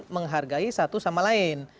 menghargai satu sama lain